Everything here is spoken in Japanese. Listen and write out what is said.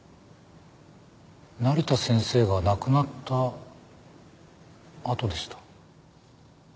成田先生が亡くなったあとでした。